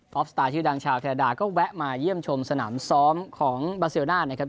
สไตล์ชื่อดังชาวแคนาดาก็แวะมาเยี่ยมชมสนามซ้อมของบาเซลน่านะครับ